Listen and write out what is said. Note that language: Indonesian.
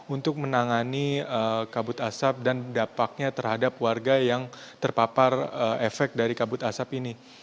untuk menangani kabut asap dan dampaknya terhadap warga yang terpapar efek dari kabut asap ini